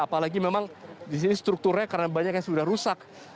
apalagi memang di sini strukturnya karena banyak yang sudah rusak